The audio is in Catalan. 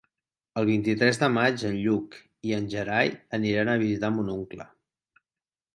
El vint-i-tres de maig en Lluc i en Gerai aniran a visitar mon oncle.